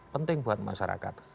penting buat masyarakat